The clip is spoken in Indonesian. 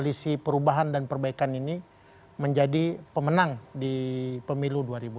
koalisi perubahan dan perbaikan ini menjadi pemenang di pemilu dua ribu dua puluh